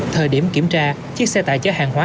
thời điểm kiểm tra chiếc xe tải chở hàng hóa